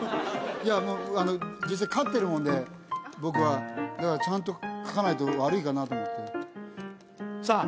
いやもうあの実際飼ってるもんで僕はだからちゃんと描かないと悪いかなと思ってさあ